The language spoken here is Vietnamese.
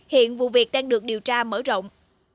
hiện vụ việc đang được điều tra mở rộng